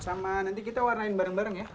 sama nanti kita warnain bareng bareng ya